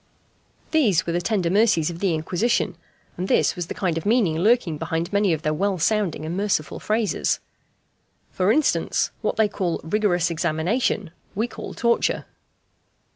These were the tender mercies of the Inquisition; and this was the kind of meaning lurking behind many of their well sounding and merciful phrases. For instance, what they call "rigorous examination," we call "torture."